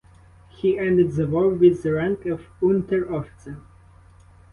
He ended the war with the rank of Unteroffizier.